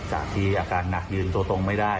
จากที่อาการหนักยืนตัวตรงไม่ได้